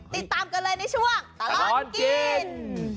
ติดตามกันเลยในช่วงตลอดกิน